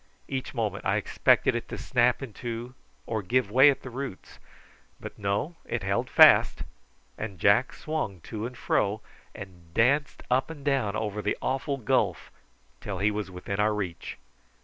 Each moment I expected it to snap in two or give way at the roots; but no: it held fast, and Jack swung to and fro, and danced up and down over the awful gulf till he was within our reach.